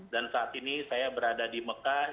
saat ini saya berada di mekah